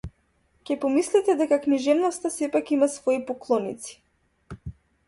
Ќе помислите дека книжевноста сепак има свои поклоници.